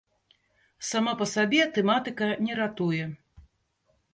Сама па сабе тэматыка не ратуе.